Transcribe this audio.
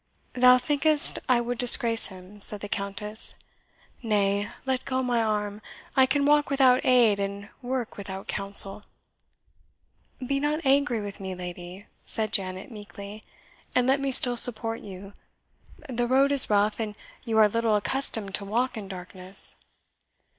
"Thou thinkest I would disgrace him," said the Countess; "nay, let go my arm, I can walk without aid and work without counsel." "Be not angry with me, lady," said Janet meekly, "and let me still support you; the road is rough, and you are little accustomed to walk in darkness."